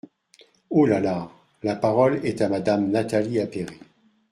Oh là là ! La parole est à Madame Nathalie Appéré.